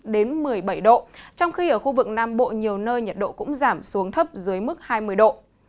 đến một mươi bảy độ trong khi ở khu vực nam bộ nhiều nơi nhiệt độ cũng giảm xuống thấp dưới mức hai mươi độ